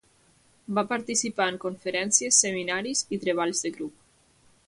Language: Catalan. Va participar en conferències, seminaris i treballs de grup.